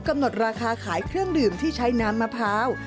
กำหนดราคาขายเครื่องดื่มที่ใช้น้ำมะพร้าว